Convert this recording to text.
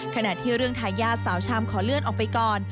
ขณะที่เรื่องทายาทสาวชามขอเลื่อนออกไปก่อน